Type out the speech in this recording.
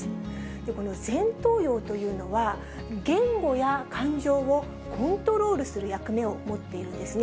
この前頭葉というのは、言語や感情をコントロールする役目を持っているんですね。